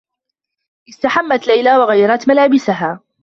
استحمّت ليلى و غيّرت ملابسها.